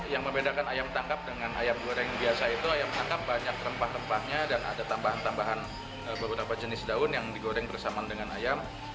yang membedakan ayam tangkap dengan ayam goreng biasa itu ayam tangkap banyak rempah rempahnya dan ada tambahan tambahan beberapa jenis daun yang digoreng bersama dengan ayam